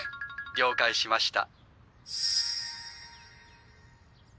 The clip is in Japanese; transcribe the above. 了解しました。